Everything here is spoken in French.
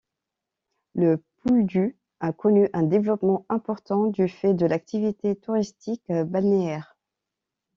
Le Pouldu a connu un développement important du fait de l'activité touristique balnéaire.